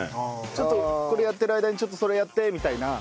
ちょっとこれやってる間にそれやってみたいな。